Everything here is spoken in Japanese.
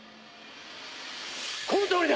このとおりだ！